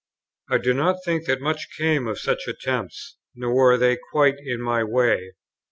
I do not think that much came of such attempts, nor were they quite in my way.